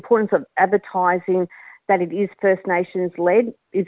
pentingnya adalah menjelaskan bahwa first nations diperlukan adalah hal utama